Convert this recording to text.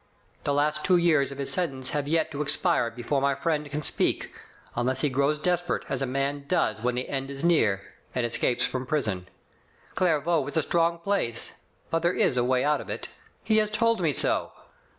The last two years of his sentence have yet to expire before my friend can speak, unless he grows desperate, as a man does when the end is near, and escapes from prison. Clairvaux is a strong place, but there is a way out of it. He has told me so.